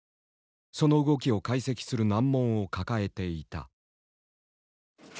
その動きを解析する難問を抱えていた。